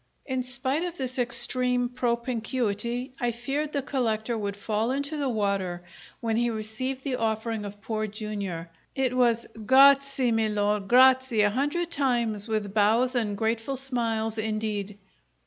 In spite of this extreme propinquity, I feared the collector would fall into the water when he received the offering of Poor Jr. It was "Gra a az', Mi lor! Graz'!" a hundred times, with bows and grateful smiles indeed!